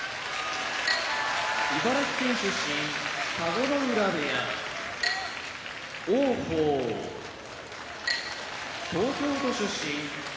茨城県出身田子ノ浦部屋王鵬東京都出身大嶽部屋